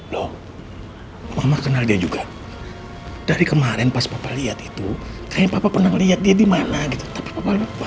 lho mama kenal dia juga dari kemarin pas papa liat itu kayaknya papa pernah liat dia dimana gitu tapi papa lupa